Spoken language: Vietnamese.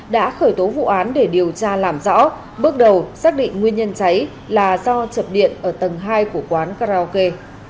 đã khởi tố vụ án để điều tra làm rõ bước đầu xác định nguyên nhân cháy là do chập điện ở tầng hai của quán karaoke